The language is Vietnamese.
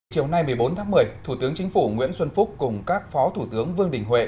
chiều nay một mươi bốn tháng một mươi thủ tướng chính phủ nguyễn xuân phúc cùng các phó thủ tướng vương đình huệ